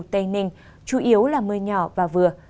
tây ninh chủ yếu là mưa nhỏ và vừa